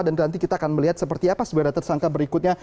dan nanti kita akan melihat seperti apa sebenarnya tersangka berikutnya